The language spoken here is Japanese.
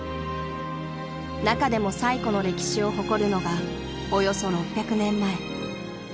［中でも最古の歴史を誇るのがおよそ６００年前北野天満